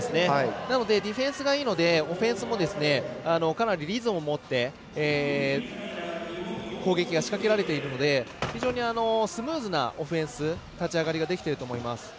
なのでディフェンスがいいのでオフェンスもかなりリズムを持って攻撃が仕掛けられているので非常にスムーズなオフェンス立ち上がりができていると思います。